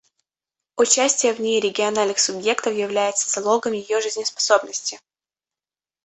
Участие в ней региональных субъектов является залогом ее жизнеспособности.